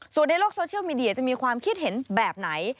ส่วนในโลกโซเชียลมีเดียจะมีความคิดเห็นแบบไหน